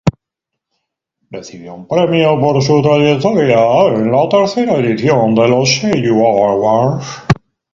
Recibió un premio por su trayectoria en la tercera edición de los Seiyū Awards.